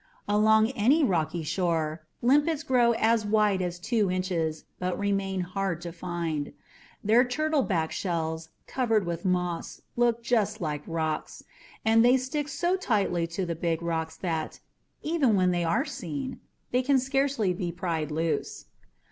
Along any rocky shore, limpets grow as wide as two inches but remain hard to find. Their turtleback shells, covered with moss, look just like rocks, and they stick so tightly to the big stones that even when they are seen they can scarcely be pried loose.